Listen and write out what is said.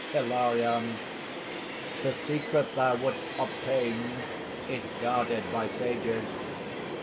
HILARION. "The secret thou wouldst obtain is guarded by sages.